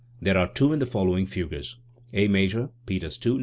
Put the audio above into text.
There are two in the following fugues: A major (Peters II, No.